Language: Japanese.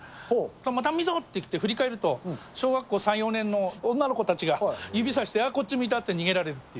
また、溝って言って、振り返ると、小学校３、４年の女の子たちが指さして、あー、こっち見たって言って逃げられるっていう。